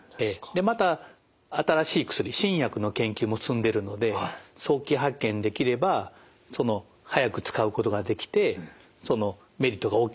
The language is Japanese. でまた新しい薬新薬の研究も進んでいるので早期発見できれば早く使うことができてメリットが大きいと。